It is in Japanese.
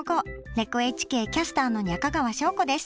ＮＨＫキャスターの中川翔子です。